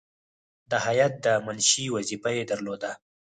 د هیات د منشي وظیفه یې درلوده.